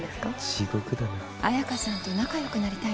地獄だな綾華さんと仲良くなりたいんです